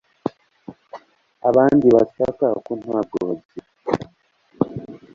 abandi bataka ko ntabwo bagira,